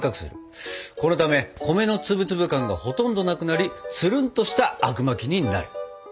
このため米の粒々感がほとんどなくなりつるんとしたあくまきになる。